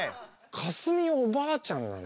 架純おばあちゃんなの？